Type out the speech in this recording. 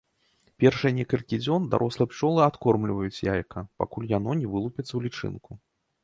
Першыя некалькі дзён дарослыя пчолы адкормліваюць яйка, пакуль яно не вылупіцца ў лічынку.